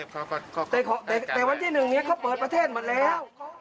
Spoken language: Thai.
ภูมิเทพฯเขาก็แต่วันที่หนึ่งเนี่ยเขาเปิดประเทศหมดแล้ว